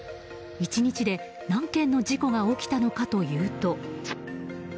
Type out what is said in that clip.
１日で何件の事故が起きたのかというと。